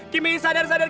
kimi sadar sadar